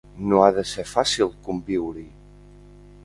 No ha de ser fàcil conviure-hi.